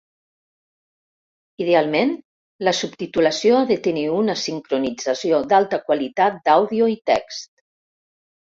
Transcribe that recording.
Idealment, la subtitulació ha de tenir una sincronització d'alta qualitat d'àudio i text.